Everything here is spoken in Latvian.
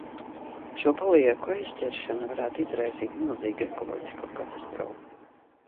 Šo palieku aizķeršana varētu izraisīt milzīgu ekoloģisko katastrofu.